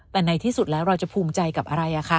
แต่ในที่สุดแล้วเราจะภูมิใจกับอะไร